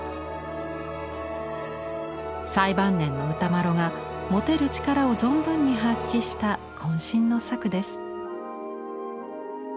最晩年の歌麿が持てる力を存分に発揮したこん身の作です。